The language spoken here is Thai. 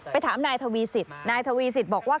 ไปถามนายทวีสิตนายทวีสิตบอกว่า